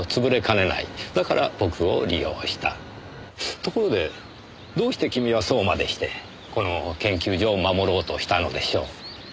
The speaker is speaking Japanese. ところでどうして君はそうまでしてこの研究所を守ろうとしたのでしょう？